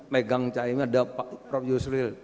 megang caimin ada pak prof yusril